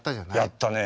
やったね。